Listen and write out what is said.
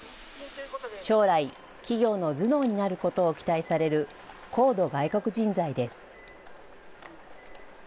将来、企業の頭脳になることを期待される高度外国人材です。